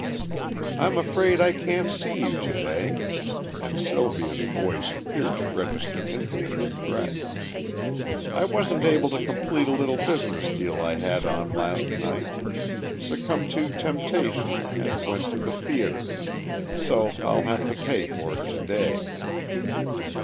"I'm afraid I can't see you to day," and Sylvia's voice appeared to register infinite regret. "I wasn't able to complete a little business deal I had on last night succumbed to temptation and went to the theater, so I'll have to pay for it to day."